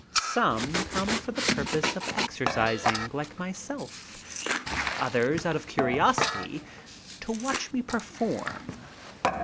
Some come for the purpose of exer cising, like myself; others out of curiosity to watch me per form.